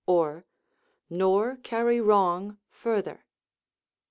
or: "Nor carry wrong further."